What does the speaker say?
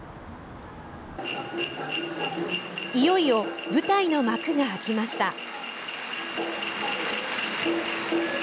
いよいよ舞台の幕が開きました。